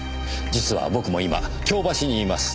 実は僕も今京橋にいます。